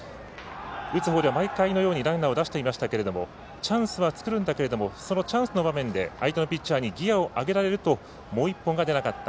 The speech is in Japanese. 打つ方では毎回のようにランナーを出していましたがチャンスは作るんだけどもそのチャンスの場面で相手のピッチャーにギヤを上げられるともう１本が出なかった。